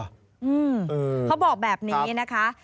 เขาบอกแบบนี้นะคะ